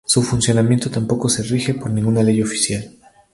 Su funcionamiento tampoco se rige por ninguna ley oficial.